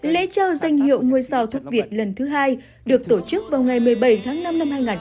lễ trò danh hiệu ngôi sao thuốc việt lần thứ hai được tổ chức vào ngày một mươi bảy tháng năm năm hai nghìn hai mươi bốn